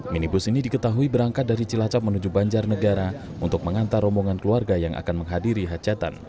minibus ini diketahui berangkat dari cilacap menuju banjarnegara untuk mengantar rombongan keluarga yang akan menghadiri hajatan